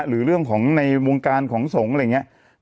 หรือเรื่องของในวงการของสงฆ์อะไรอย่างนี้